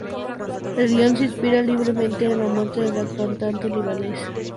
El guion se inspira libremente en la muerte de la cantante libanesa Suzanne Tamim.